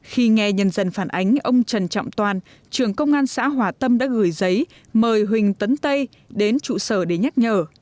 khi nghe nhân dân phản ánh ông trần trọng toàn trưởng công an xã hòa tâm đã gửi giấy mời huỳnh tấn tây đến trụ sở để nhắc nhở